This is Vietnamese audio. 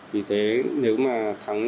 vì thế nếu mà thắng